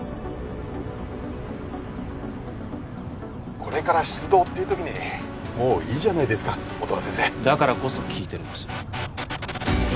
これから出動っていう時にもういいじゃないですか音羽先生だからこそ聞いているんです